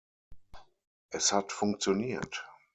Es hat funktioniert.